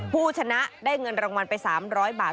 ผู้ชนะได้เงินรางวัลไป๓๐๐บาท